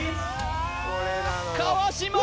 川島